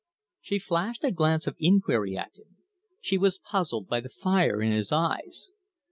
She flashed a glance of inquiry at him. She was puzzled by the fire in his eyes.